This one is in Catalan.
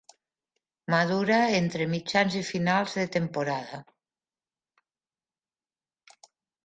Madura entre mitjans i finals de temporada.